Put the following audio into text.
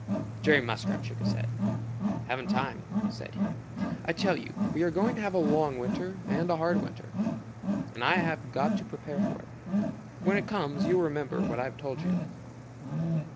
Jerry Muskrat shook his head. "Haven't time," said he. "I tell you we are going to have a long winter and a hard winter, and I've got to prepare for it. When it comes you'll remember what I have told you."